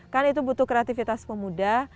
kan itu butuh kreativitas pemuda